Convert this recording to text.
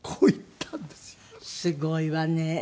すごいわね。